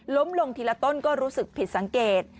ล้มลงทีละต้นก็รู้สึกผิดสังเกต